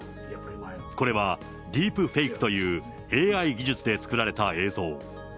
これは、ディープフェイクというＡＩ技術で作られた映像。